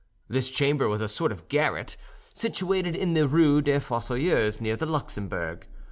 This chamber was a sort of garret, situated in the Rue des Fossoyeurs, near the Luxembourg.